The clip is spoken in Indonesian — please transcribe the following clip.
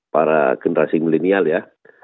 para generasi milenial ya